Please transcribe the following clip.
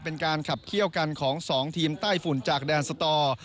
เป็นการขับเขี้ยวกันของ๒ทีมใต้ฝุ่นจากแดนสตอร์